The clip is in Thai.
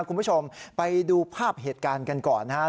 คุณผู้ชมไปดูภาพเหตุการณ์กันก่อนนะครับ